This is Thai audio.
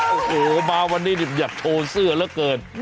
โอ้โหมาวันนี้อยากโชว์เสื้อเหลือเกิน